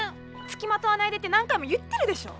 つきまとわないでって何回も言ってるでしょ。